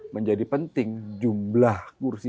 menjadi penting jumlah kursi